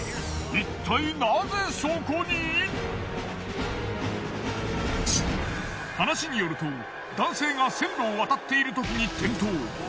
いったい話によると男性が線路を渡っているときに転倒。